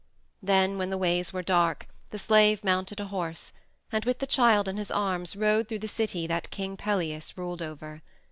Then when the ways were dark the slave mounted a horse, and, with the child in his arms, rode through the city that King Pelias ruled over.